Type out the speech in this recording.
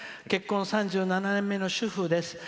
結婚３７年目の主婦です。